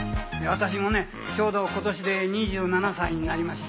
私もねちょうど今年で２７歳になりまして。